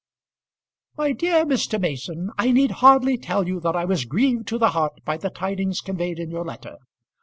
MY DEAR MR. MASON, I need hardly tell you that I was grieved to the heart by the tidings conveyed in your letter.